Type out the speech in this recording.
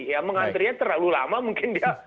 ya mengantri nya terlalu lama mungkin dia